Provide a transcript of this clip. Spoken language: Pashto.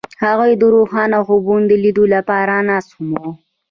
هغوی د روښانه خوبونو د لیدلو لپاره ناست هم وو.